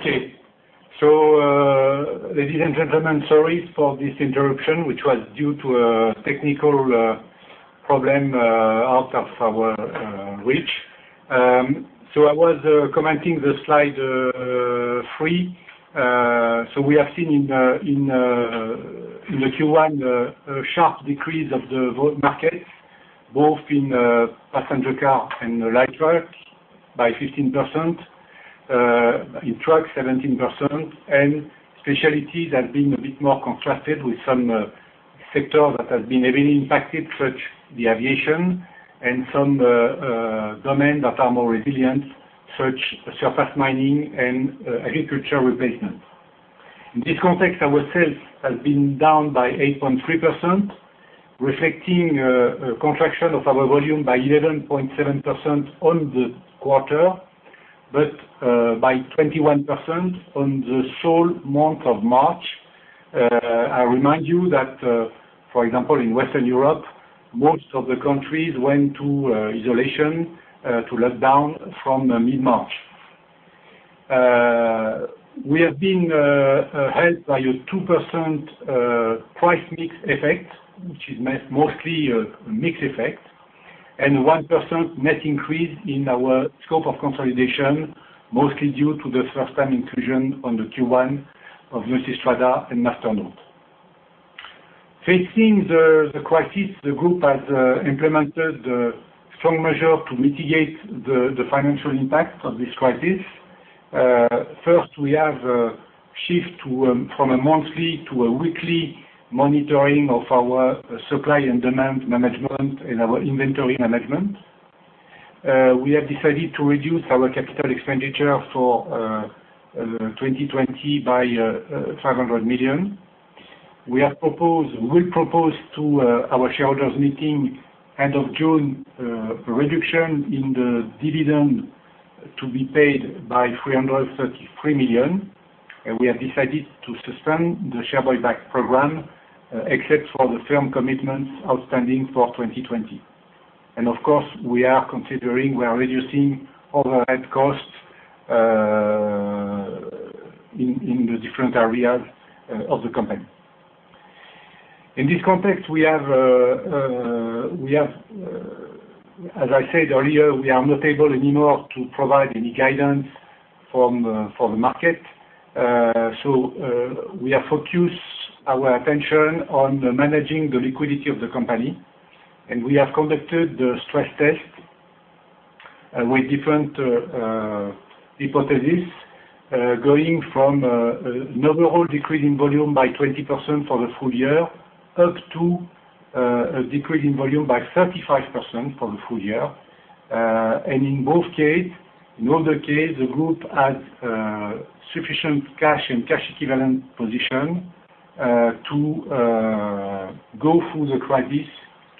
Okay. So, ladies and gentlemen, sorry for this interruption, which was due to a technical problem out of our reach. So I was commenting on Slide 3. So we have seen in the Q1 a sharp decrease of the road market both in passenger car and light trucks by 15%. In trucks, 17%. And specialties have been a bit more contrasted with some sectors that have been heavily impacted, such as aviation, and some domains that are more resilient, such as surface mining and agriculture replacement. In this context, our sales have been down by 8.3%, reflecting a contraction of our volume by 11.7% on the quarter, but by 21% on the sole month of March. I remind you that, for example, in Western Europe, most of the countries went to isolation to lockdown from mid-March. We have been held by a 2% price-mix effect, which is mainly mix effect, and a 1% net increase in our scope of consolidation, mostly due to the first-time inclusion in Q1 of Multistrada and Masternaut. Facing the crisis, the group has implemented strong measures to mitigate the financial impact of this crisis. First, we have shifted to a weekly monitoring of our supply and demand management and our inventory management. We have decided to reduce our capital expenditure for 2020 by 500 million. We have proposed; we will propose to our shareholders' meeting end of June a reduction in the dividend to be paid by 333 million. We have decided to suspend the share buyback program, except for the firm commitments outstanding for 2020. Of course, we are reducing overhead costs in the different areas of the company. In this context, as I said earlier, we are not able anymore to provide any guidance for the market. We have focused our attention on managing the liquidity of the company. We have conducted the stress test with different hypotheses, going from an overall decrease in volume by 20%-35% for the full year. In both cases, in all the cases, the group has sufficient cash and cash equivalent position to go through the crisis,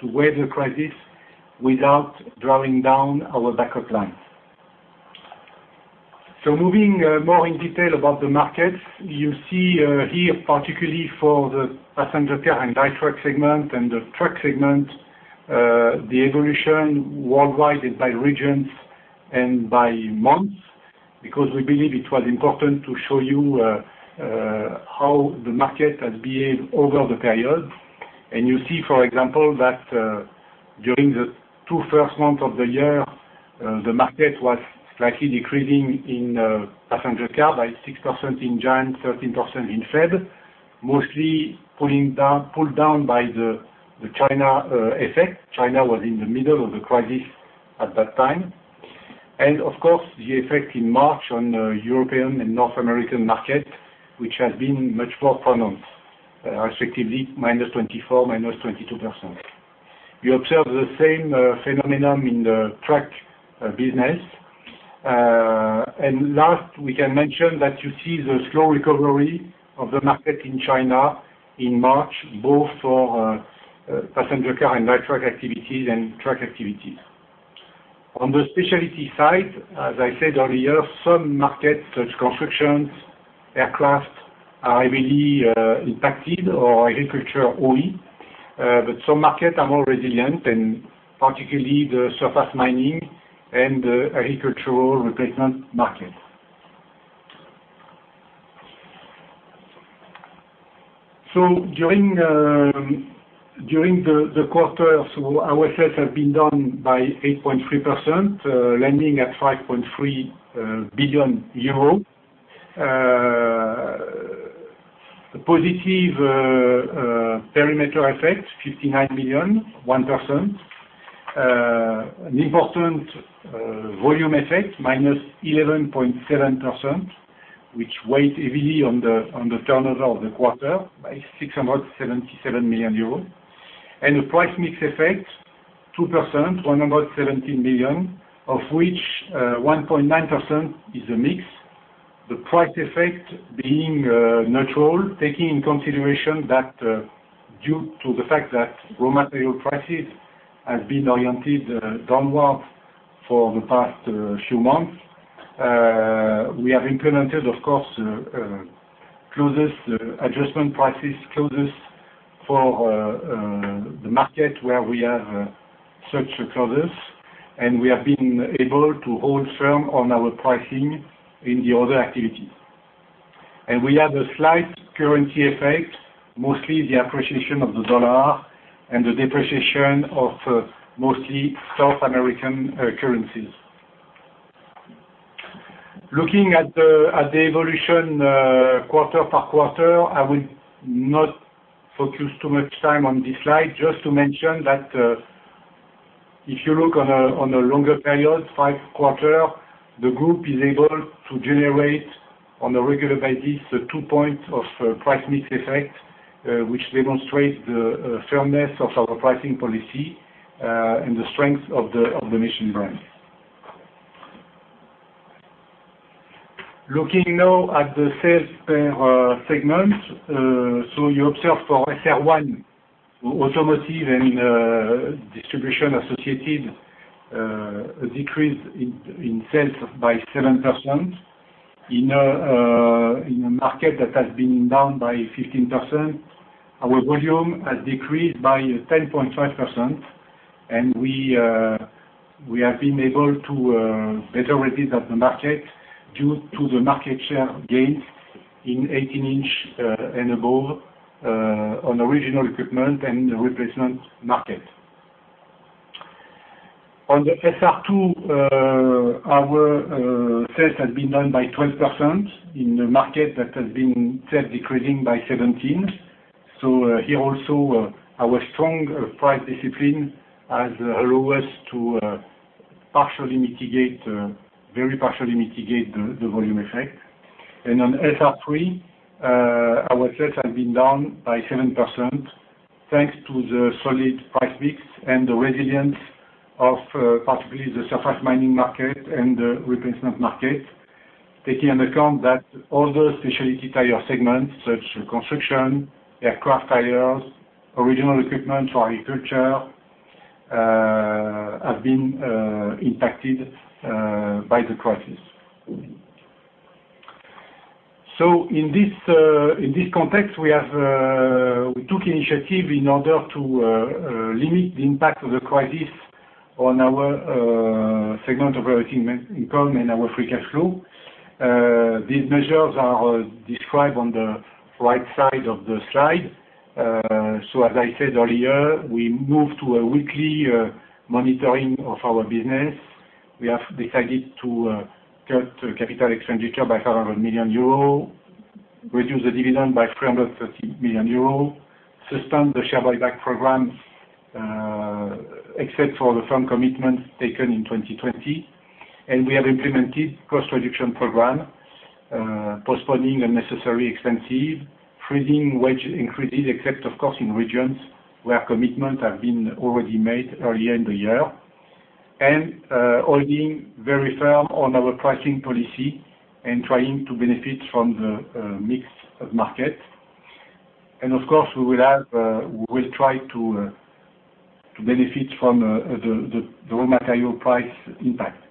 to weather the crisis without drawing down our backup lines. Moving more in detail about the markets, you see here, particularly for the passenger car and light truck segment and the truck segment, the evolution worldwide is by regions and by months because we believe it was important to show you how the market has behaved over the period. You see, for example, that during the two first months of the year, the market was slightly decreasing in passenger car by 6% in January, 13% in February, mostly pulled down by the China effect. China was in the middle of the crisis at that time. Of course, the effect in March on European and North American market has been much more pronounced, respectively, -24%, -22%. You observe the same phenomenon in the truck business. And last, we can mention that you see the slow recovery of the market in China in March, both for passenger car and light truck activities and truck activities. On the specialty side, as I said earlier, some markets, such as construction, aircraft, are heavily impacted, or agriculture only. But some markets are more resilient, and particularly the surface mining and the agricultural replacement market. So during the quarter, our sales have been down by 8.3%, landing at 5.3 billion EUR. Positive perimeter effect, 59 million, 1%. An important volume effect, minus 11.7%, which weighed heavily on the turnover of the quarter by 677 million euros. And the price mix effect, 2%, 117 million, of which 1.9% is a mix. The price effect being neutral, taking into consideration that, due to the fact that raw material prices have been oriented downward for the past few months, we have implemented, of course, cost-plus adjustment prices, cost-plus for the market where we have such cost-plus. And we have been able to hold firm on our pricing in the other activities. And we have a slight currency effect, mostly the appreciation of the dollar and the depreciation of, mostly South American, currencies. Looking at the evolution quarter by quarter, I would not focus too much time on this slide, just to mention that, if you look on a longer period, five quarters, the group is able to generate, on a regular basis, a two-point price-mix effect, which demonstrates the firmness of our pricing policy, and the strength of the Michelin brand. Looking now at the sales per segment, so you observe for SR1, so automotive and distribution associated, a decrease in sales by 7%. In a market that has been down by 15%, our volume has decreased by 10.5%. We have been able to outperform the market due to the market share gains in 18-inch and above, on original equipment and the replacement market. On the SR2, our sales have been down by 12% in the market that has been down by 17%. Here also, our strong price discipline has allowed us to partially mitigate, very partially mitigate the volume effect. And on SR3, our sales have been down by 7% thanks to the solid price mix and the resilience of, particularly, the surface mining market and the replacement market, taking into account that other specialty tire segments, such as construction, aircraft tires, original equipment for agriculture, have been impacted by the crisis. So in this context, we took initiative in order to limit the impact of the crisis on our segment operating income and our free cash flow. These measures are described on the right side of the slide. So as I said earlier, we moved to a weekly monitoring of our business. We have decided to cut capital expenditure by 500 million euros, reduce the dividend by 330 million euros, suspend the share buyback program, except for the firm commitments taken in 2020. We have implemented cost reduction program, postponing unnecessary expenses, freezing wage increases, except, of course, in regions where commitments have been already made earlier in the year. We are holding very firm on our pricing policy and trying to benefit from the mix of markets. Of course, we will try to benefit from the raw material price impact.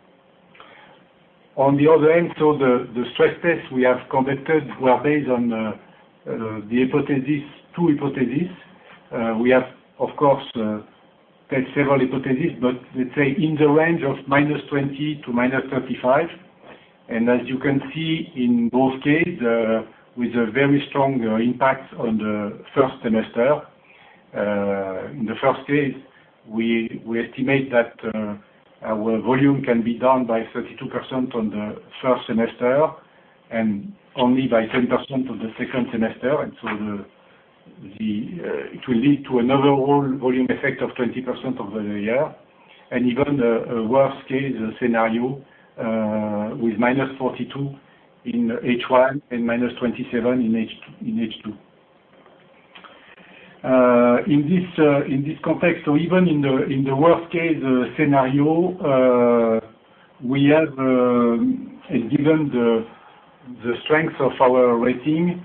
On the other end, the stress tests we have conducted were based on the hypothesis, two hypotheses. We have, of course, taken several hypotheses, but let's say in the range of -20% to -35%. As you can see in both cases, with a very strong impact on the first semester. In the first case, we estimate that our volume can be down by 32% on the first semester and only by 10% on the second semester. So it will lead to another whole volume effect of 20% over the year. Even in a worst-case scenario, with -42% in H1 and -27% in H2. In this context, given the strength of our rating,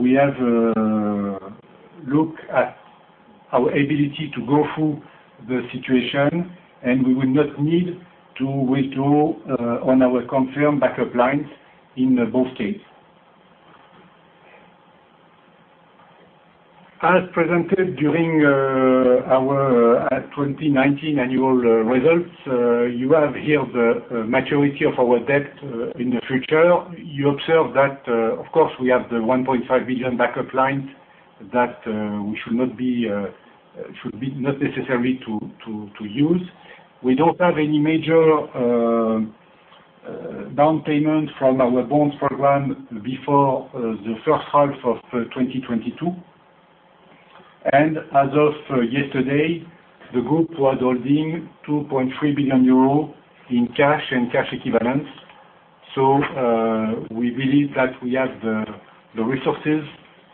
we have looked at our ability to go through the situation, and we will not need to draw on our confirmed backup lines in both cases. As presented during our 2019 annual results, you have here the maturity of our debt in the future. You observe that, of course, we have the 1.5 million backup lines that should not be necessary to use. We don't have any major repayment from our bonds program before the first half of 2022. As of yesterday, the group was holding 2.3 billion euros in cash and cash equivalents. We believe that we have the resources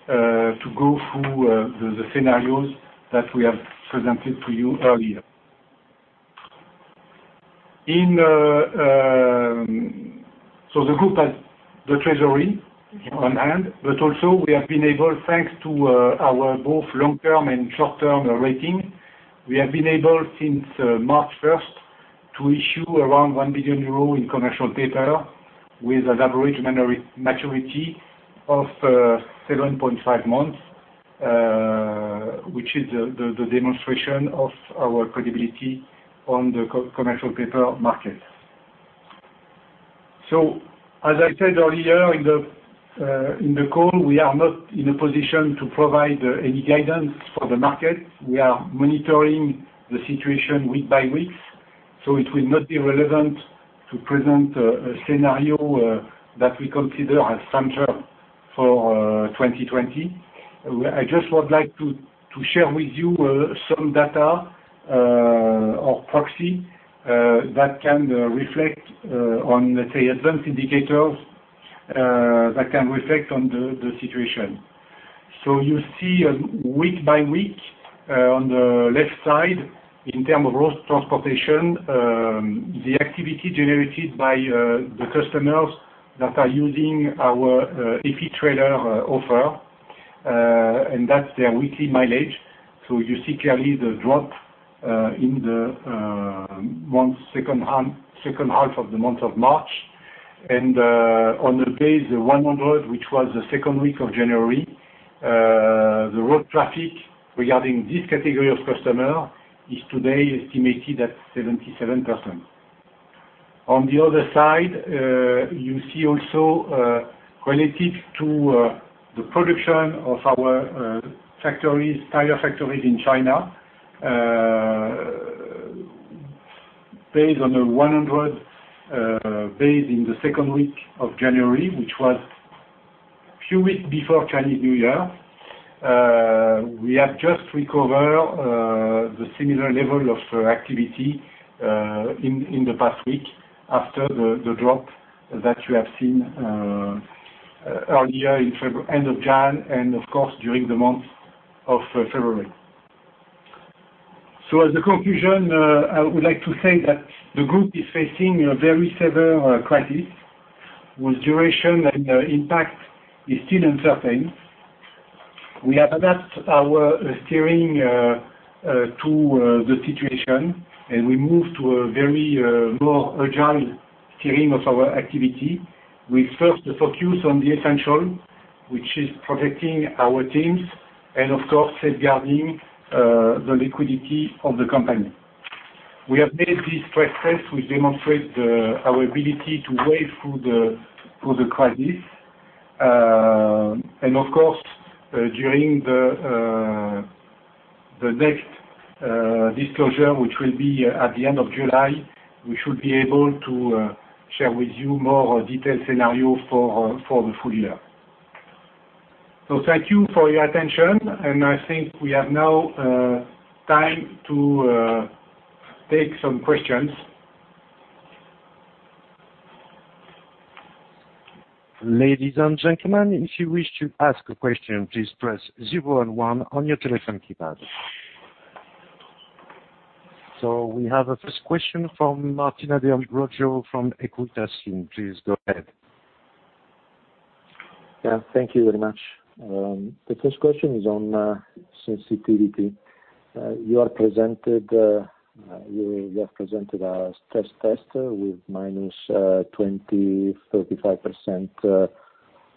to go through the scenarios that we have presented to you earlier. The group has the treasury on hand, but also we have been able, thanks to our both long-term and short-term rating, we have been able since March 1st to issue around 1 billion euro in commercial paper with an average maturity of 7.5 months, which is the demonstration of our credibility on the commercial paper market. As I said earlier, in the call, we are not in a position to provide any guidance for the market. We are monitoring the situation week by week. It will not be relevant to present a scenario that we consider as standard for 2020. I just would like to share with you some data or proxy that can reflect on, let's say, advanced indicators that can reflect on the situation, so you see week by week on the left side in terms of road transportation the activity generated by the customers that are using our Effitrailer offer and that's their weekly mileage, so you see clearly the drop in the second half of the month of March, and on day 100, which was the second week of January, the road traffic regarding this category of customer is today estimated at 77%. On the other side you see also relative to the production of our factories, tire factories in China, based on the 100 base in the second week of January, which was a few weeks before Chinese New Year. We have just recovered the similar level of activity in the past week after the drop that you have seen earlier in February, end of January, and, of course, during the month of February. So as a conclusion, I would like to say that the group is facing a very severe crisis whose duration and impact is still uncertain. We have adapted our steering to the situation, and we moved to a very more agile steering of our activity with first the focus on the essential, which is protecting our teams and, of course, safeguarding the liquidity of the company. We have made these stress tests, which demonstrate our ability to wade through the crisis. and of course, during the next disclosure, which will be at the end of July, we should be able to share with you more detailed scenarios for the full year. So thank you for your attention. And I think we have now time to take some questions. Ladies and gentlemen, if you wish to ask a question, please press zero and one on your telephone keypad. So we have a first question from Martino De Ambroggi from Equita SIM. Please go ahead. Yeah. Thank you very much. The first question is on sensitivity. You have presented a stress test with -20%, 35%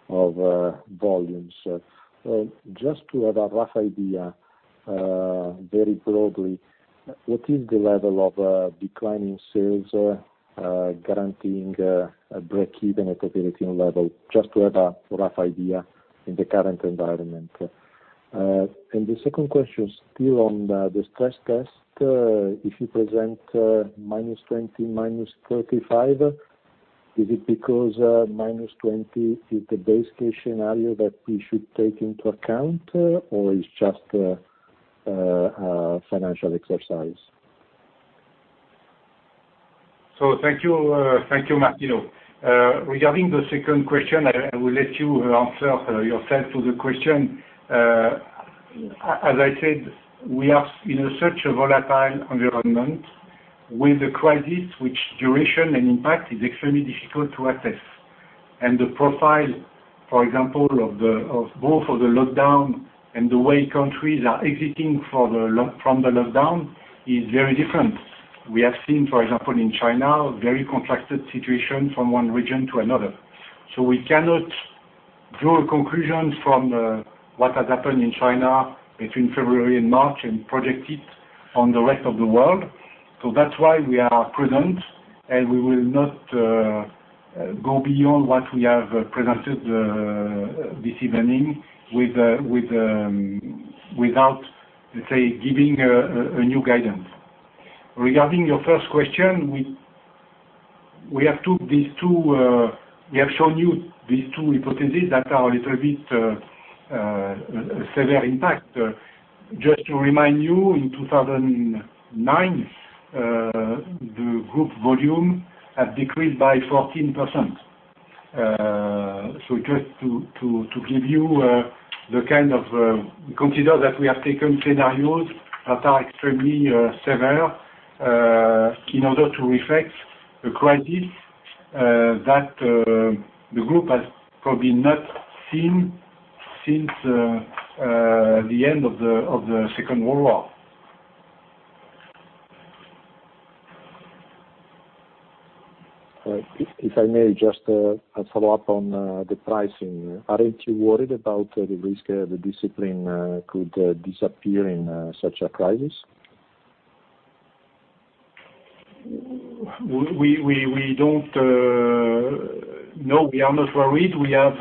of volumes. Just to have a rough idea, very broadly, what is the level of declining sales guaranteeing a break-even at operating level? Just to have a rough idea in the current environment. And the second question is still on the stress test. If you present -20%, -35%, is it because -20% is the base case scenario that we should take into account, or it's just a financial exercise? So thank you, Martino. Regarding the second question, I will let you answer yourself to the question. As I said, we are in such a volatile environment with a crisis whose duration and impact is extremely difficult to assess. The profile, for example, of the lockdown and the way countries are exiting the lockdown is very different. We have seen, for example, in China, very contrasted situation from one region to another. So we cannot draw a conclusion from what has happened in China between February and March and project it on the rest of the world. So that's why we are present, and we will not go beyond what we have presented this evening without, let's say, giving a new guidance. Regarding your first question, we have shown you these two hypotheses that are a little bit severe impact. Just to remind you, in 2009, the group volume had decreased by 14%. So just to give you the kind of consider that we have taken scenarios that are extremely severe, in order to reflect a crisis that the group has probably not seen since the end of the Second World War. All right. If I may just follow up on the pricing. Aren't you worried about the risk the discipline could disappear in such a crisis? We don't know. We are not worried. We have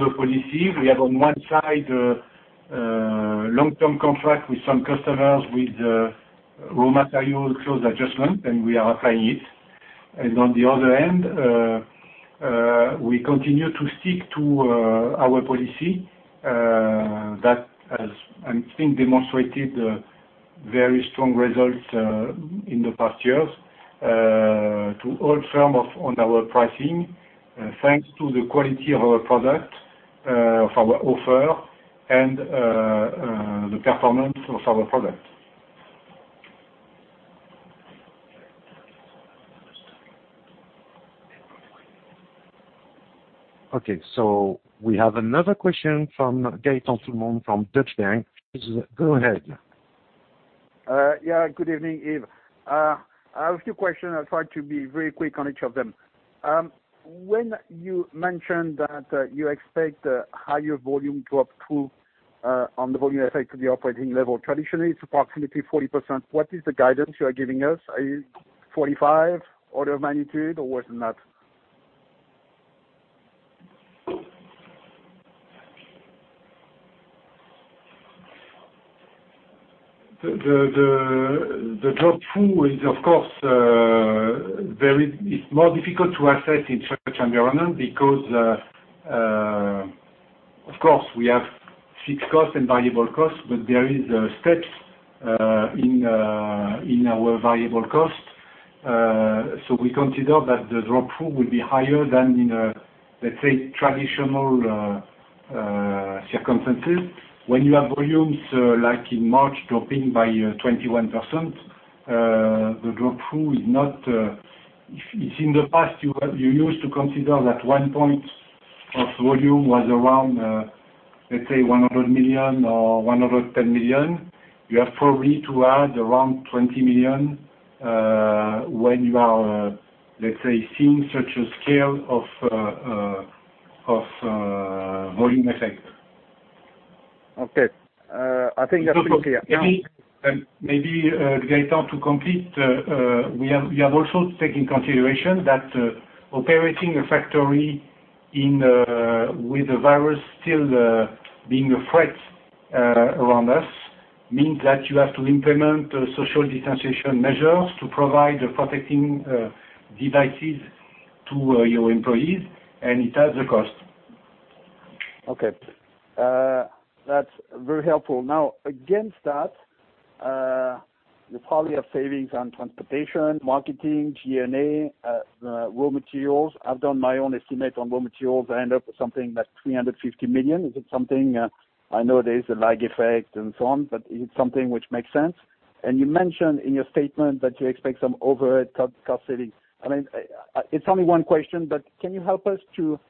a policy. We have on one side long-term contract with some customers with raw material cost adjustment, and we are applying it. On the other hand, we continue to stick to our policy that has, I think, demonstrated very strong results in the past years to all forms of our pricing, thanks to the quality of our product, of our offer, and the performance of our product. Okay. So we have another question from Gaëtan Toulemonde from Deutsche Bank. Please go ahead. Yeah. Good evening, Yves. I have a few questions. I'll try to be very quick on each of them. When you mentioned that you expect a higher volume drop through on the volume effect to the operating level, traditionally it's approximately 40%. What is the guidance you are giving us? Are you 45%, order of magnitude, or worse than that? The drop through is, of course, very, it's more difficult to assess in such an environment because, of course, we have fixed costs and variable costs, but there are steps in our variable cost, so we consider that the drop through will be higher than in a, let's say, traditional circumstances. When you have volumes like in March dropping by 21%, the drop through is not. If in the past you used to consider that one point of volume was around, let's say, 100 million or 110 million, you have probably to add around 20 million when you are, let's say, seeing such a scale of volume effect. Okay. I think that's pretty clear. So maybe, Gaëtan, to complete, we have also taken into consideration that operating a factory with the virus still being a threat around us means that you have to implement social distancing measures to provide the protective devices to your employees, and it has a cost. Okay. That's very helpful. Now, against that, you probably have savings on transportation, marketing, G&A, raw materials. I've done my own estimate on raw materials. I end up with something like 350 million. Is it something? I know there is a lag effect and so on, but is it something which makes sense? You mentioned in your statement that you expect some overhead cost saving. I mean, it's only one question, but can you help us to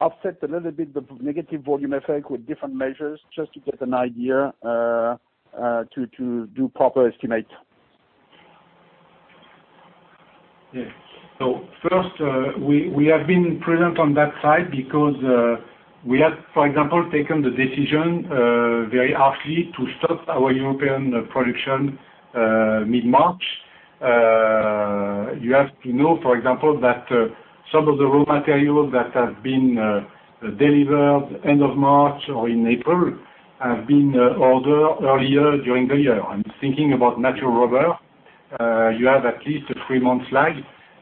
offset a little bit the negative volume effect with different measures just to get an idea to do proper estimate? Yeah. So first, we have been present on that side because we have, for example, taken the decision very harshly to stop our European production mid-March. You have to know, for example, that some of the raw materials that have been delivered end of March or in April have been ordered earlier during the year. I'm thinking about natural rubber. You have at least a three-month lag,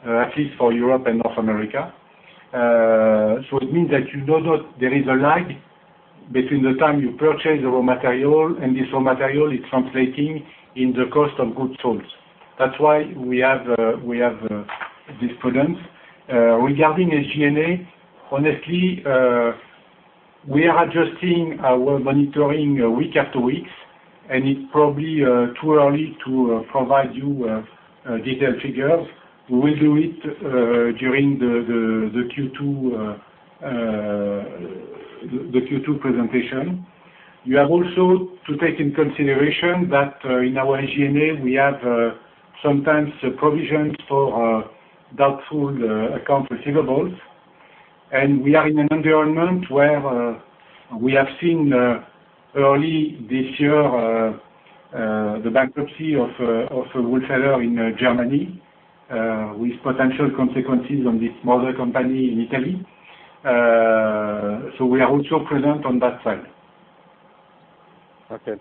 at least for Europe and North America. So it means that you know that there is a lag between the time you purchase the raw material and this raw material is translating in the cost of goods sold. That's why we have this prudence. Regarding the G&A, honestly, we are adjusting our monitoring week after week, and it's probably too early to provide you detailed figures. We will do it during the Q2 presentation. You have also to take into consideration that, in our G&A, we have sometimes provisions for doubtful accounts receivable. And we are in an environment where we have seen early this year the bankruptcy of a retailer in Germany, with potential consequences on this parent company in Italy, so we are also present on that side. Okay.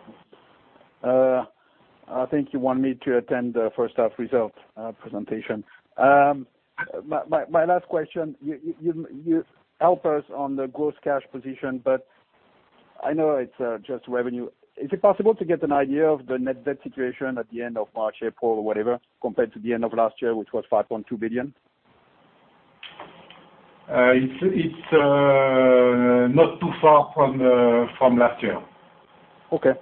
I think you want me to attend the first half results presentation. My last question. You help us on the gross cash position, but I know it's just revenue. Is it possible to get an idea of the net debt situation at the end of March, April, or whatever, compared to the end of last year, which was 5.2 billion? It's not too far from last year. Okay.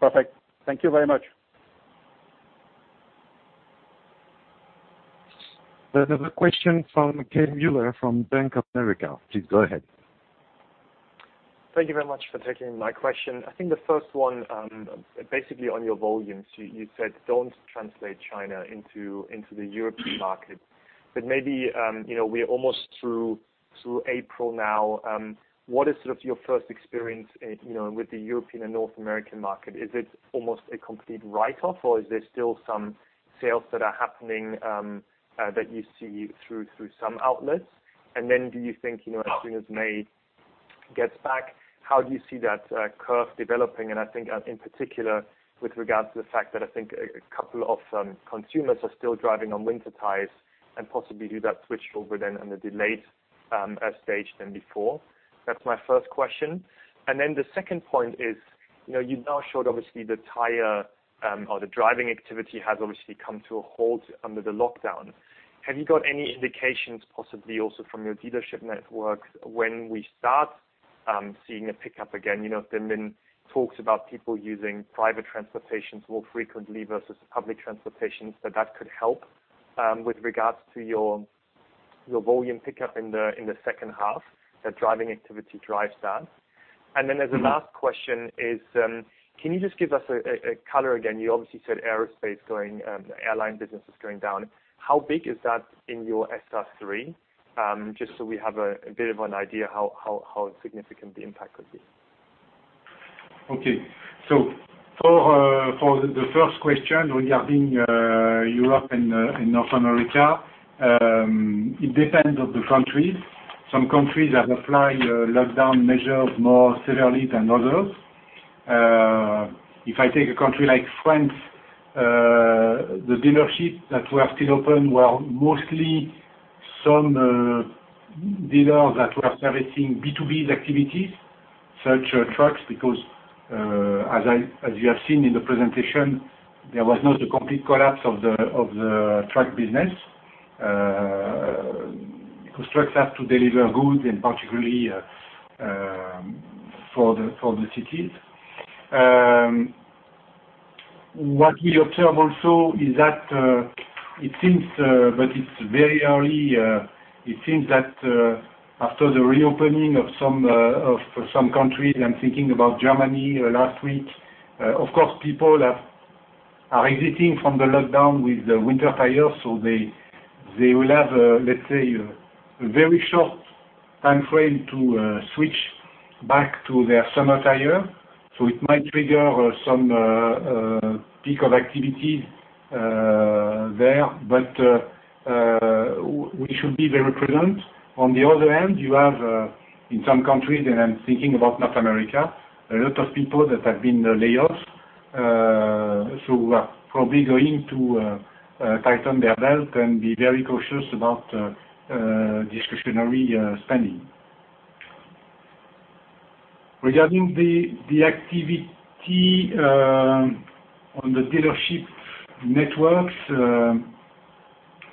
Perfect. Thank you very much. There's another question from Kai Mueller from Bank of America. Please go ahead. Thank you very much for taking my question. I think the first one, basically on your volumes, you, you said don't translate China into, into the European market. But maybe, you know, we're almost through, through April now. What is sort of your first experience, you know, with the European and North American market? Is it almost a complete write-off, or is there still some sales that are happening, that you see through, through some outlets? And then do you think, you know, as soon as May gets back, how do you see that, curve developing? And I think, in particular with regards to the fact that I think a, a couple of, consumers are still driving on winter tires and possibly do that switch over then on the delayed, stage than before. That's my first question. And then the second point is, you know, you've now showed obviously the tire, or the driving activity has obviously come to a halt under the lockdown. Have you got any indications possibly also from your dealership networks when we start seeing a pickup again? You know, there have been talks about people using private transportation more frequently versus public transportation, that that could help with regards to your volume pickup in the second half, that driving activity drives that. And then as a last question is, can you just give us a color again? You obviously said aerospace going, airline businesses going down. How big is that in your SR3, just so we have a bit of an idea how significant the impact could be? Okay. So for the first question regarding Europe and North America, it depends on the countries. Some countries have applied lockdown measures more severely than others. If I take a country like France, the dealerships that were still open were mostly some dealers that were servicing B2B activities, such trucks because as you have seen in the presentation, there was not a complete collapse of the truck business, because trucks have to deliver goods and particularly for the cities. What we observe also is that it seems, but it's very early, it seems that after the reopening of some countries, I'm thinking about Germany last week, of course, people are exiting from the lockdown with the winter tires, so they will have, let's say, a very short time frame to switch back to their summer tire. So it might trigger some peak of activity there, but we should be very prudent. On the other hand, you have, in some countries, and I'm thinking about North America, a lot of people that have been laid off, so who are probably going to tighten their belt and be very cautious about discretionary spending. Regarding the activity on the dealership networks,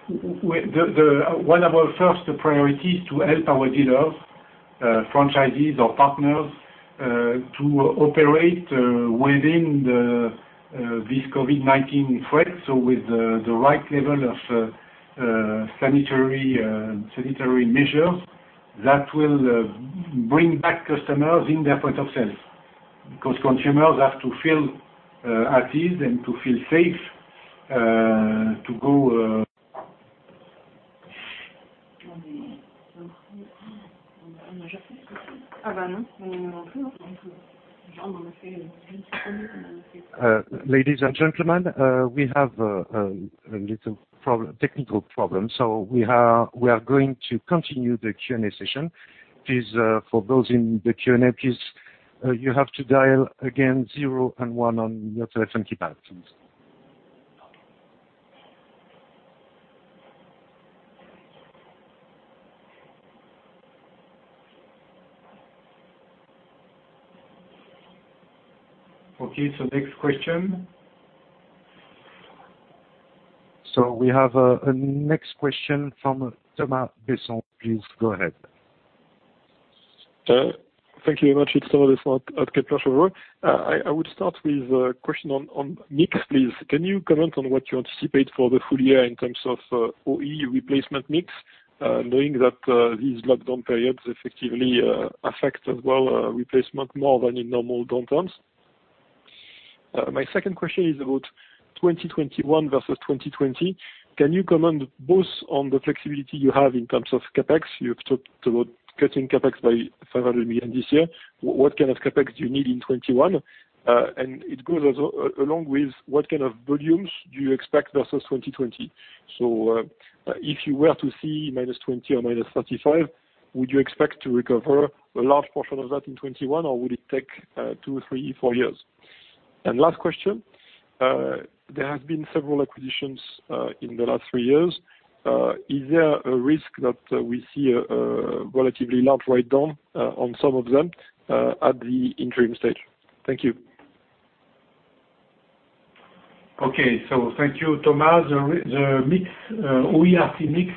one of our first priorities is to help our dealers, franchisees or partners, to operate within this COVID-19 threat, so with the right level of sanitary measures that will bring back customers in their point of sale because consumers have to feel at ease and to feel safe to go. Ladies and gentlemen, we have a little technical problem, so we are going to continue the Q&A session. Please, for those in the Q&A, please, you have to dial again zero and one on your telephone keypad, please. Okay. So next question. So we have a next question from Thomas Besson. Please go ahead. Thank you very much, Yves Chapot. It's Kepler Cheuvreux. I would start with a question on mix, please. Can you comment on what you anticipate for the full year in terms of OE/Replacement mix, knowing that these lockdown periods effectively affect as well replacement more than in normal downtimes? My second question is about 2021 versus 2020. Can you comment both on the flexibility you have in terms of CapEx? You've talked about cutting CapEx by 500 million this year. What kind of CapEx do you need in 2021? And it goes along with what kind of volumes do you expect versus 2020? So, if you were to see -20% or -35%, would you expect to recover a large portion of that in 2021, or would it take two, three, four years? And last question, there have been several acquisitions in the last three years. Is there a risk that we see a relatively large write-down on some of them at the interim stage? Thank you. Okay. So thank you, Thomas. The OE/RC mix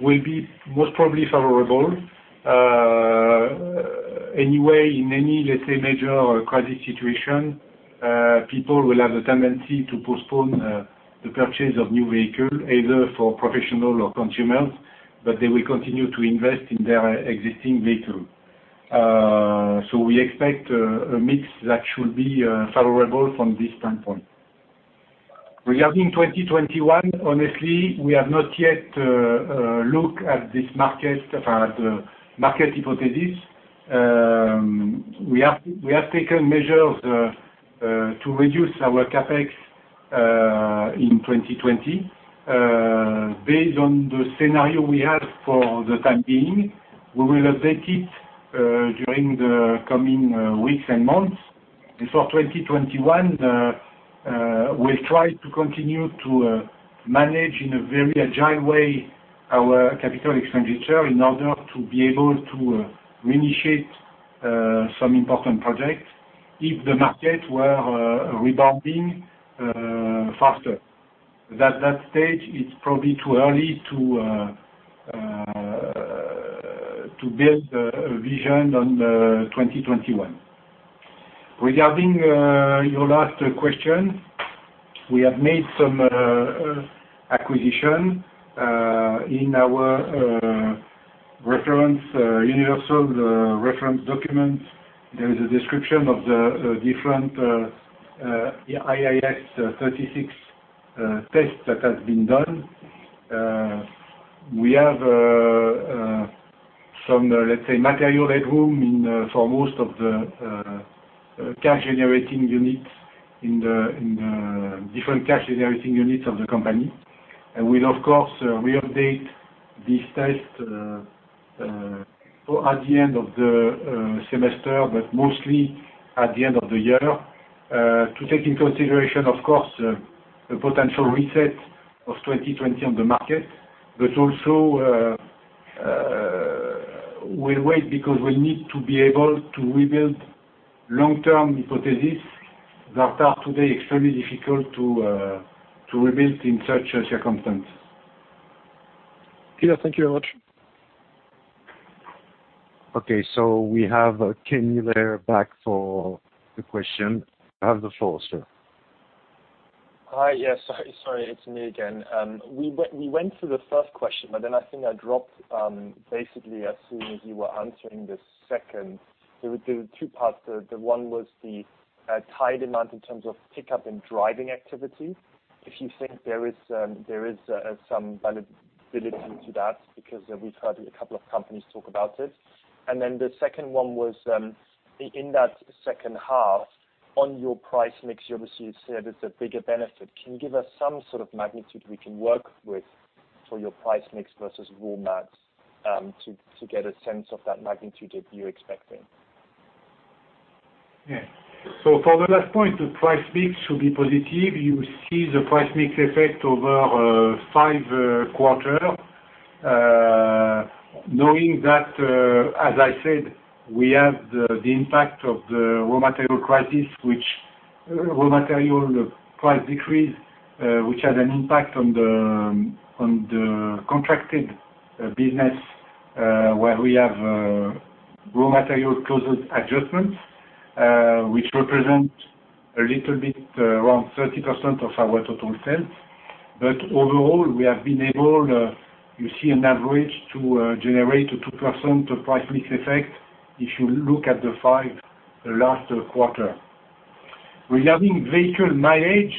will be most probably favorable. Anyway, in any, let's say, major crisis situation, people will have a tendency to postpone the purchase of new vehicles, either for professional or consumers, but they will continue to invest in their existing vehicle. We expect a mix that should be favorable from this standpoint. Regarding 2021, honestly, we have not yet looked at this market, the market hypothesis. We have taken measures to reduce our CapEx in 2020. Based on the scenario we have for the time being, we will update it during the coming weeks and months. For 2021, we'll try to continue to manage in a very agile way our capital expenditure in order to be able to reinitiate some important projects if the market were rebounding faster. At that stage, it's probably too early to build a vision on 2021. Regarding your last question, we have made some acquisitions in our universal registration document. There is a description of the different IAS 36 tests that have been done. We have some, let's say, material headroom for most of the cash-generating units in the different cash-generating units of the company. And we'll, of course, re-update these tests at the end of the semester, but mostly at the end of the year to take into consideration, of course, the potential reset of 2020 on the market. But also, we'll wait because we'll need to be able to rebuild long-term hypotheses that are today extremely difficult to rebuild in such a circumstance. Yeah. Thank you very much. Okay. So we have Kai Mueller back for the question. You have the floor, sir. Hi. Yes. Sorry. It's me again. We went through the first question, but then I think I dropped, basically as soon as you were answering the second. There were two parts. The one was the tide amount in terms of pickup and driving activity. If you think there is some validity to that because we've heard a couple of companies talk about it. And then the second one was, in that second half, on your price mix, you obviously said it's a bigger benefit. Can you give us some sort of magnitude we can work with for your price mix versus volume, to get a sense of that magnitude that you're expecting? Yeah. So for the last point, the price mix should be positive. You see the price mix effect over five quarters, knowing that, as I said, we have the impact of the raw material crisis, which raw material price decrease had an impact on the contracted business, where we have raw material cost adjustments, which represent a little bit around 30% of our total sales. But overall, we have been able, you see, on average to generate a 2% price-mix effect if you look at the five last quarters. Regarding vehicle mileage,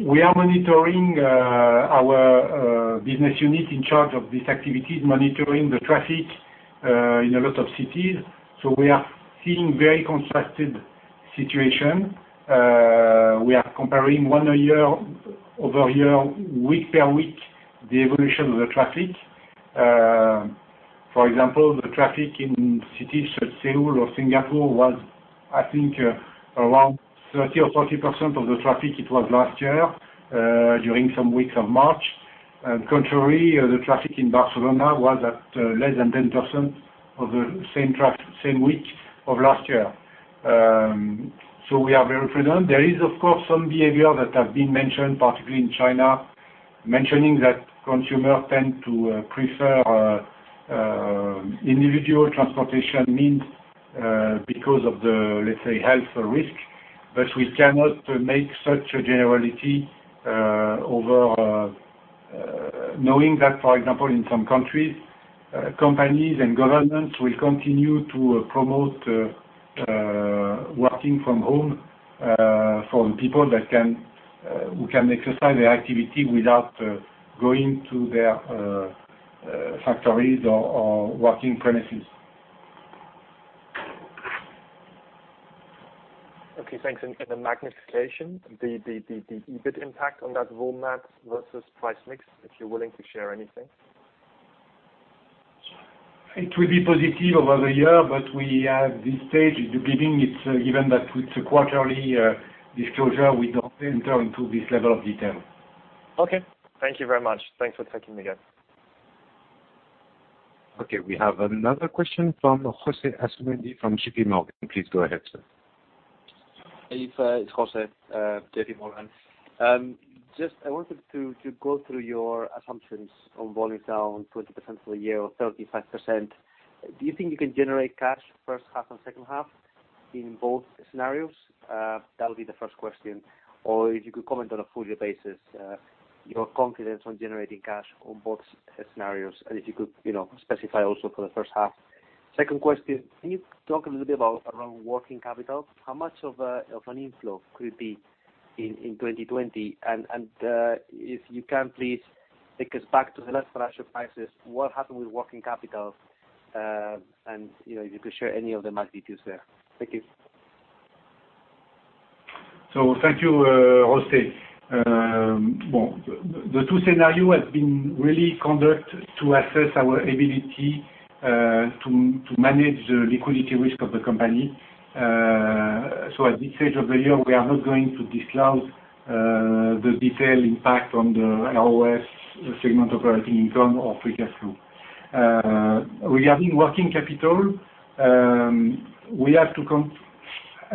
we are monitoring our business unit in charge of these activities, monitoring the traffic in a lot of cities. So we are seeing a very contrasted situation. We are comparing year-over-year, week-by-week, the evolution of the traffic. For example, the traffic in cities such as Seoul or Singapore was, I think, around 30% or 40% of the traffic it was last year, during some weeks of March. And, contrary, the traffic in Barcelona was at less than 10% of the same traffic same week of last year. So we are very prudent. There is, of course, some behavior that has been mentioned, particularly in China, mentioning that consumers tend to prefer individual transportation means, because of the, let's say, health risk. But we cannot make such a generality over knowing that, for example, in some countries, companies and governments will continue to promote working from home for the people that can who can exercise their activity without going to their factories or working premises. Okay. Thanks. And the magnitude of the EBIT impact on that volume mix versus price mix, if you're willing to share anything. It will be positive over the year, but we have this stage in the beginning. It's given that it's a quarterly disclosure, we don't enter into this level of detail. Okay. Thank you very much. Thanks for taking me again. Okay. We have another question from José Asumendi from J.P. Morgan. Please go ahead, sir. Hey, sir. It's José, J.P. Morgan. Just I wanted to go through your assumptions on volume down 20% for the year or 35%. Do you think you can generate cash first half and second half in both scenarios? That'll be the first question. Or if you could comment on a full-year basis, your confidence on generating cash on both scenarios, and if you could, you know, specify also for the first half. Second question, can you talk a little bit about around working capital? How much of an inflow could it be in 2020? And if you can, please take us back to the last financial crisis. What happened with working capital? And you know, if you could share any of the magnitudes there. Thank you. So thank you, José. The two scenarios have been really conducted to assess our ability to manage the liquidity risk of the company. So at this stage of the year, we are not going to disclose the detailed impact on the ROS, segment operating income or free cash flow. Regarding working capital, I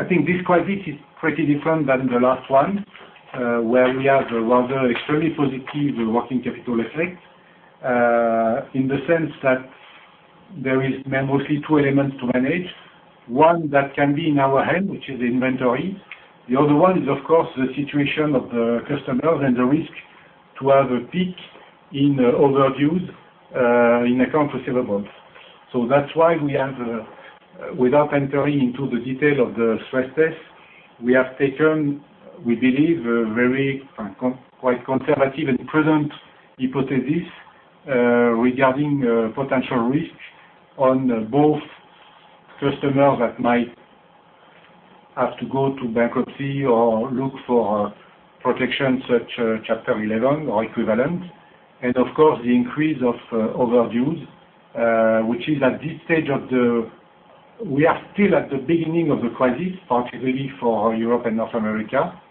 think this crisis is pretty different than the last one, where we have a rather extremely positive working capital effect, in the sense that there are mainly two elements to manage. One that can be in our hands, which is inventory. The other one is, of course, the situation of the customers and the risk to have a peak in overdues in accounts receivable. So that's why we have, without entering into the detail of the stress test, we have taken, we believe, a very quite conservative and prudent hypothesis, regarding potential risk on both customers that might have to go to bankruptcy or look for protection such as Chapter 11 or equivalent. Of course, the increase of overdues, which is at this stage where we are still at the beginning of the crisis, particularly for Europe and North America.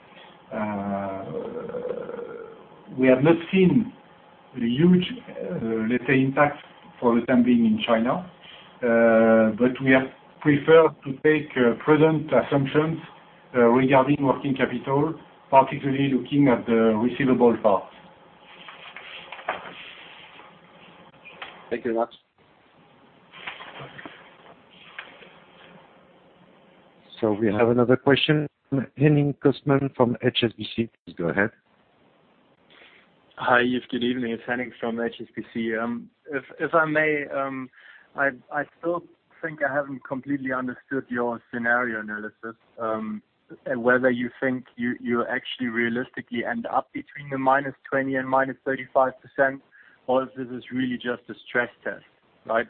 We have not seen a huge, let's say, impact for the time being in China. We have preferred to take prudent assumptions regarding working capital, particularly looking at the receivable part. Thank you very much. We have another question, Henning Cosman from HSBC. Please go ahead. Hi, Yves. Good evening. It's Henning from HSBC. If I may, I still think I haven't completely understood your scenario analysis, whether you think you actually realistically end up between the -20% and -35%, or if this is really just a stress test. Right?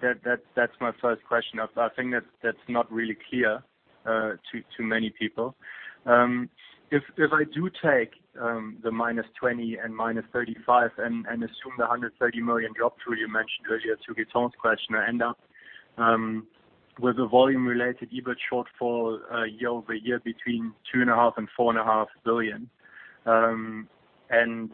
That's my first question. I think that's not really clear to many people. If I do take the -20% and -35% and assume the 130 million drop through you mentioned earlier to Gaëtan's question, I end up with a volume-related EBIT shortfall year over year between 2.5 billion and EUR 4.5 billion.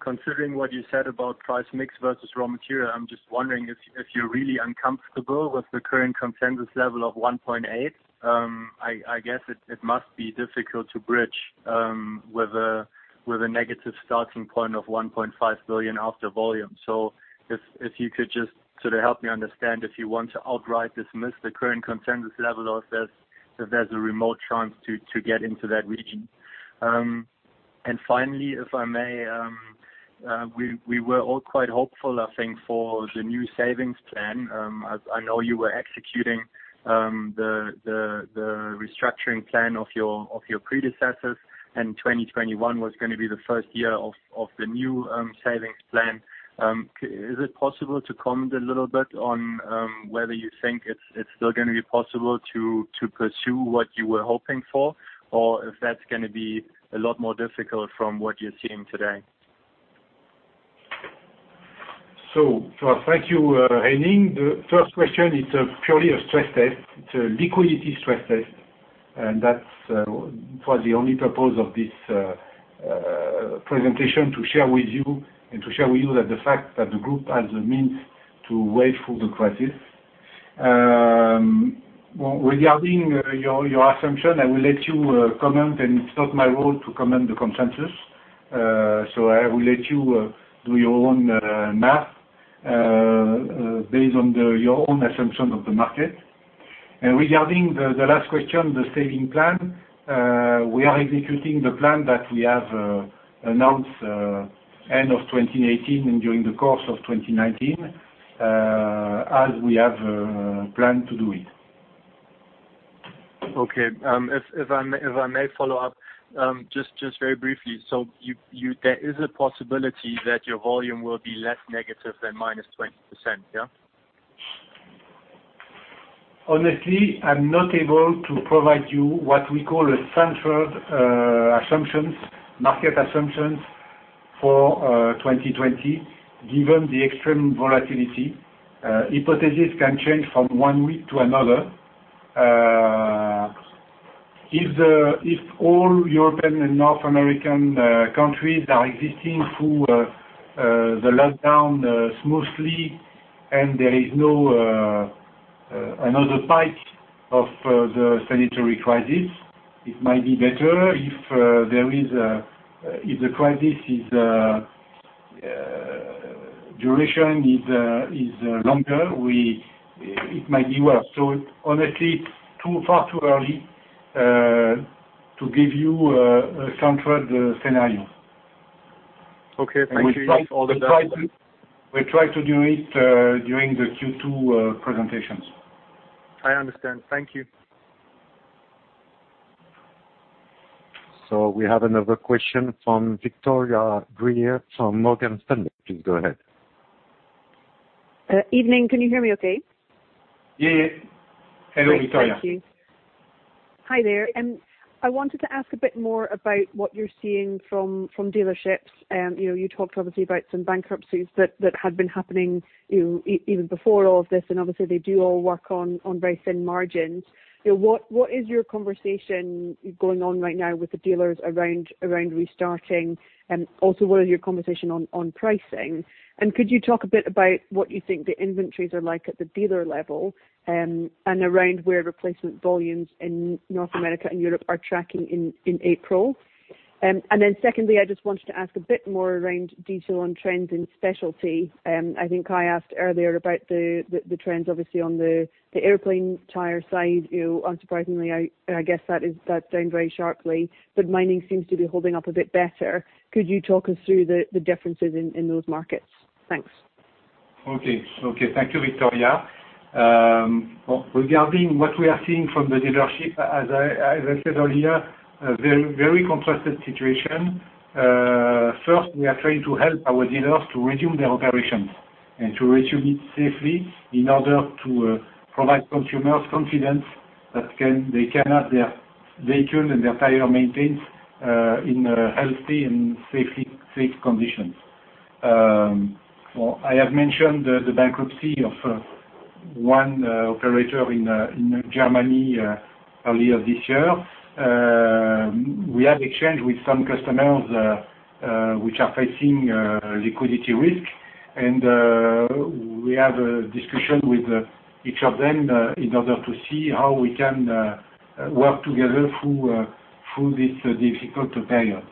Considering what you said about price mix versus raw material, I'm just wondering if you're really uncomfortable with the current consensus level of 1.8 billion. I guess it must be difficult to bridge with a negative starting point of 1.5 billion after volume. So if you could just sort of help me understand if you want to outright dismiss the current consensus level or if there's a remote chance to get into that region. Finally, if I may, we were all quite hopeful, I think, for the new savings plan. I know you were executing the restructuring plan of your predecessors, and 2021 was going to be the first year of the new savings plan. So is it possible to comment a little bit on whether you think it's still going to be possible to pursue what you were hoping for, or if that's going to be a lot more difficult from what you're seeing today? So I thank you, Henning. The first question, it's purely a stress test. It's a liquidity stress test. And that's. It was the only purpose of this presentation to share with you that the fact that the group has the means to weather the crisis. Well, regarding your assumption, I will let you comment, and it's not my role to comment the consensus. So I will let you do your own math, based on your own assumption of the market. Regarding the last question, the saving plan, we are executing the plan that we have announced end of 2018 and during the course of 2019, as we have planned to do it. Okay. If I may follow up, just very briefly, so you there is a possibility that your volume will be less negative than -20%. Yeah? Honestly, I'm not able to provide you what we call central assumptions, market assumptions for 2020, given the extreme volatility. Hypothesis can change from one week to another. If all European and North American countries are exiting through the lockdown smoothly and there is no other peak of the sanitary crisis, it might be better. If the crisis duration is longer, it might be worse. So honestly, it's far too early to give you a central scenario. Okay. Thank you. And we try our best. We try to do it during the Q2 presentations. I understand. Thank you. So we have another question from Victoria Greer from Morgan Stanley. Please go ahead. Good evening. Can you hear me okay? Yeah. Yeah. Hello, Victoria. Thank you. Hi there. I wanted to ask a bit more about what you're seeing from dealerships. You know, you talked obviously about some bankruptcies that had been happening, you know, even before all of this, and obviously, they do all work on very thin margins. You know, what is your conversation going on right now with the dealers around restarting? And also, what is your conversation on pricing? And could you talk a bit about what you think the inventories are like at the dealer level, and around where replacement volumes in North America and Europe are tracking in April? And then secondly, I just wanted to ask a bit more around detail on trends in specialty. I think I asked earlier about the trends, obviously, on the airplane tire side. You know, unsurprisingly, I guess that is that's down very sharply, but mining seems to be holding up a bit better. Could you talk us through the differences in those markets? Thanks. Okay. Okay. Thank you, Victoria. Regarding what we are seeing from the dealership, as I said earlier, a very contrasted situation. First, we are trying to help our dealers to resume their operations and to resume it safely in order to provide consumers confidence that they can have their vehicle and their tire maintained in healthy and safe conditions. I have mentioned the bankruptcy of one operator in Germany earlier this year. We have exchanged with some customers, which are facing liquidity risk. We have a discussion with each of them in order to see how we can work together through this difficult period.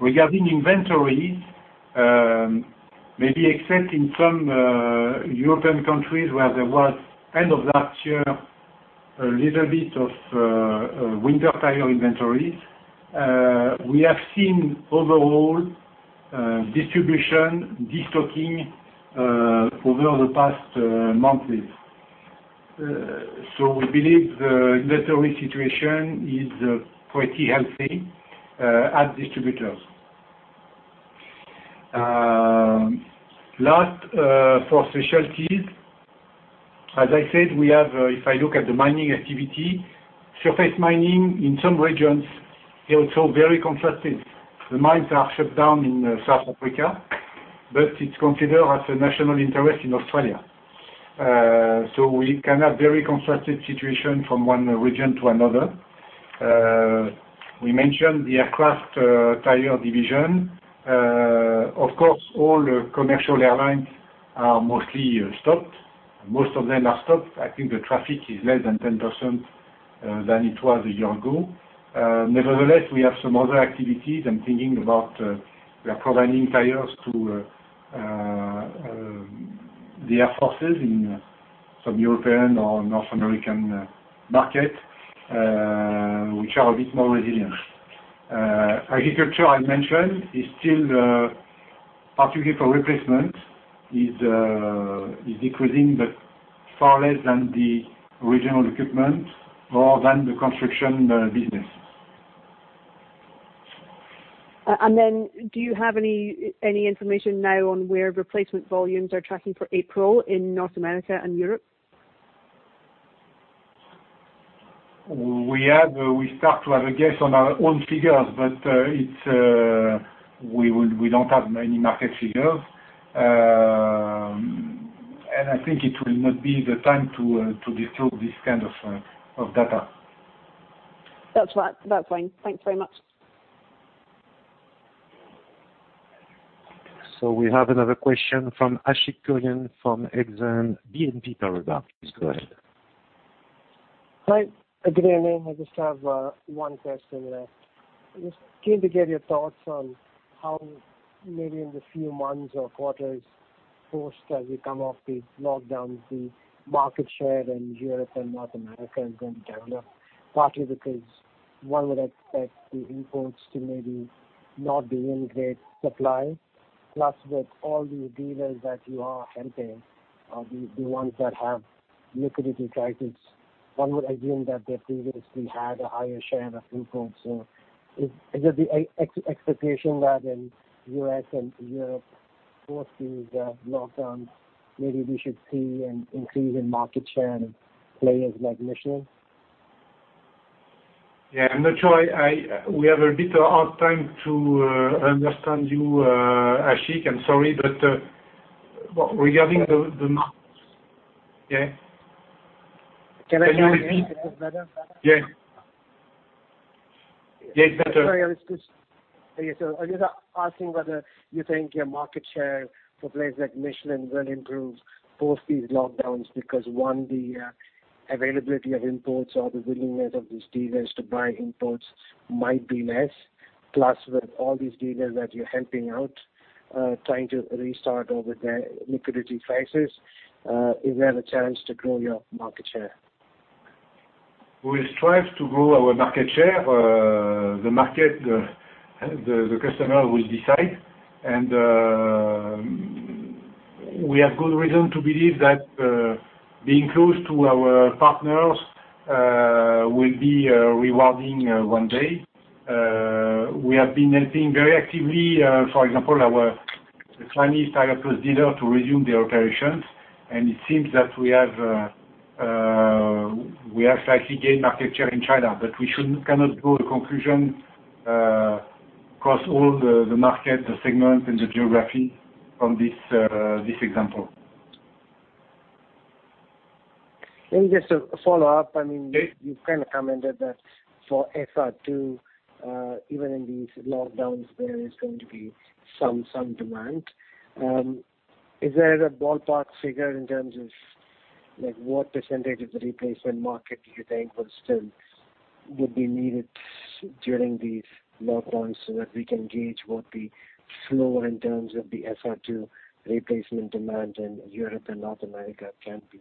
Regarding inventories, maybe except in some European countries where there was end of last year a little bit of winter tire inventories, we have seen overall distribution destocking over the past months. So we believe the inventory situation is pretty healthy at distributors. Lastly, for specialties, as I said, we have, if I look at the mining activity, surface mining in some regions, it's also very contrasted. The mines are shut down in South Africa, but it's considered as a national interest in Australia. So we can have very contrasted situation from one region to another. We mentioned the aircraft tire division. Of course, all commercial airlines are mostly stopped. Most of them are stopped. I think the traffic is less than 10% than it was a year ago. Nevertheless, we have some other activities. I'm thinking about, we are providing tires to the air forces in some European or North American market, which are a bit more resilient. Agriculture, I mentioned, is still, particularly for replacement, is decreasing, but far less than the original equipment or than the construction business. Then do you have any information now on where replacement volumes are tracking for April in North America and Europe? We have, we start to have a guess on our own figures, but it's, we don't have any market figures. I think it will not be the time to disclose this kind of data. That's right. That's fine. Thanks very much. So we have another question from Ashik Kurian from Exane BNP Paribas. Please go ahead. Hi. Good evening. I just have one question there. Just keen to get your thoughts on how maybe in the few months or quarters post, as we come off the lockdown, the market share in Europe and North America is going to develop, partly because one would expect the imports to maybe not be in great supply. Plus, with all these dealers that you are helping, the ones that have liquidity crisis, one would assume that they previously had a higher share of imports. So is it the expectation that in U.S. and Europe post these lockdowns, maybe we should see an increase in market share of players like Michelin? Yeah. I'm not sure. We have a bit of a hard time to understand you, Ashik. I'm sorry, but well, regarding the market yeah? Can I hear you a bit better? Yeah. Yeah. It's better. I'm sorry. I was just yeah. So I was just asking whether you think your market share for players like Michelin will improve post these lockdowns because, one, the availability of imports or the willingness of these dealers to buy imports might be less. Plus, with all these dealers that you're helping out, trying to restart over their liquidity crisis, is there a chance to grow your market share? We strive to grow our market share. The market, the customer will decide. And we have good reason to believe that being close to our partners will be rewarding one day. We have been helping very actively, for example, our Chinese TYREPLUS dealer to resume their operations. And it seems that we have slightly gained market share in China, but we shouldn't cannot draw a conclusion across all the market, the segment, and the geography from this example. Let me just follow up. I mean, you kind of commented that for FR2, even in these lockdowns, there is going to be some demand. Is there a ballpark figure in terms of, like, what percentage of the replacement market do you think will still would be needed during these lockdowns so that we can gauge what the flow in terms of the FR2 replacement demand in Europe and North America can be?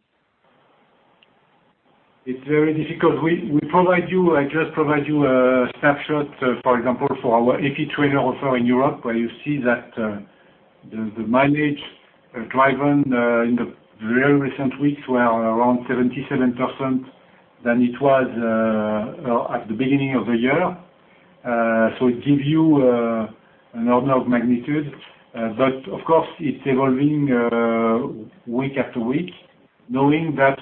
It's very difficult. We provide you. I just provide you a snapshot, for example, for our Effitrailer offer in Europe, where you see that the mileage driven in the very recent weeks were around 77% than it was at the beginning of the year, so it gives you an order of magnitude. but of course, it's evolving, week after week, knowing that,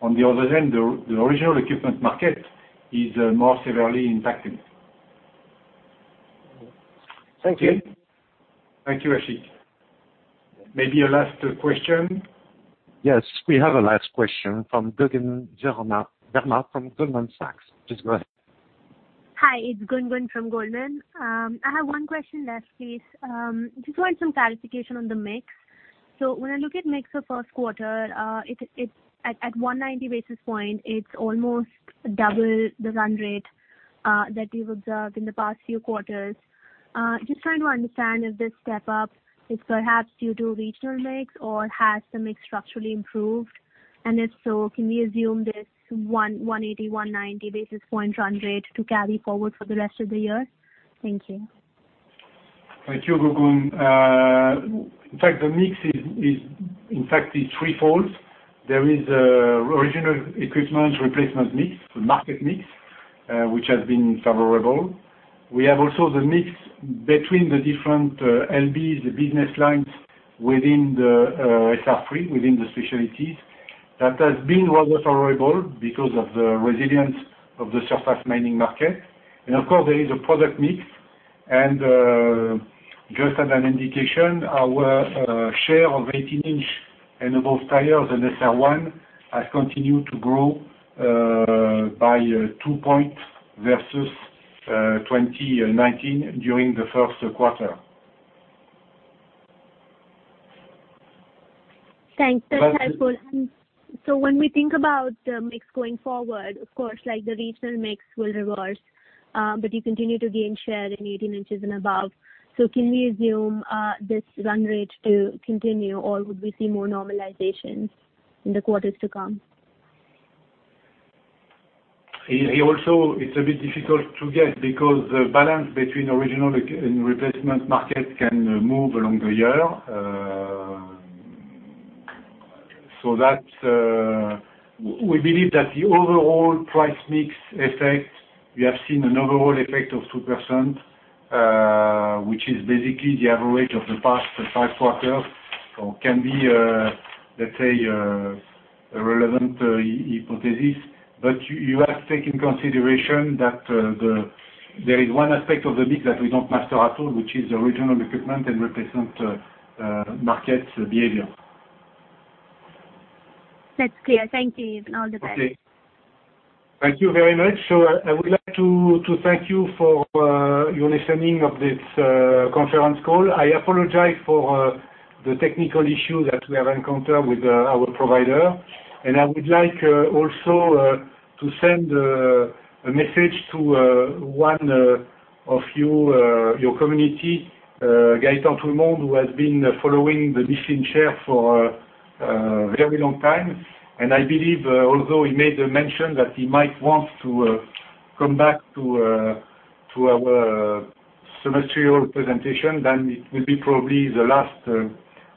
on the other hand, the original equipment market is more severely impacted. Thank you. Okay. Thank you, Ashik. Maybe a last question? Yes. We have a last question from Gungun Verma from Goldman Sachs. Please go ahead. Hi. It's Gungun from Goldman. I have one question left, please. Just want some clarification on the mix. So when I look at mix for first quarter, it at 190 basis points, it's almost double the run rate that we've observed in the past few quarters. Just trying to understand if this step up is perhaps due to regional mix or has the mix structurally improved. And if so, can we assume this 180, 190 basis points run rate to carry forward for the rest of the year? Thank you. Thank you, Gungun. In fact, the mix is in fact it's threefold. There is original equipment replacement mix, the market mix, which has been favorable. We have also the mix between the different LBs, the business lines within the SR3, within the specialties, that has been rather favorable because of the resilience of the surface mining market. And of course, there is a product mix. And just as an indication, our share of 18-inch and above tires in SR1 has continued to grow by two points versus 2019 during the first quarter. Thanks. That's helpful. And so when we think about the mix going forward, of course, like the regional mix will reverse, but you continue to gain share in 18 inches and above. So can we assume this run rate to continue, or would we see more normalization in the quarters to come? It is a bit difficult to get because the balance between original and replacement markets can move along the year. So that, we believe that the overall price mix effect, we have seen an overall effect of 2%, which is basically the average of the past five quarters, so can be, let's say, a relevant hypothesis. But you have taken consideration that there is one aspect of the mix that we do not master at all, which is the original equipment and replacement markets behavior. That is clear. Thank you. All the best. Okay. Thank you very much. So I would like to thank you for your listening of this conference call. I apologize for the technical issue that we have encountered with our provider. And I would like also to send a message to one of your your community, Gaëtan Toulemonde, who has been following the Michelin share for a very long time. I believe, although he made the mention that he might want to come back to our semestrial presentation, it will be probably the last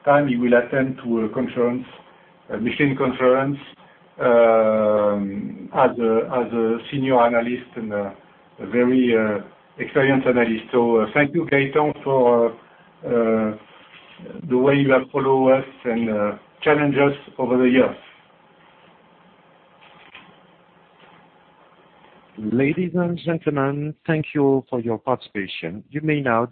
time he will attend a conference, Michelin conference, as a senior analyst and a very experienced analyst. Thank you, Gaëtan, for the way you have followed us and challenged us over the years. Ladies and gentlemen, thank you all for your participation. You may now.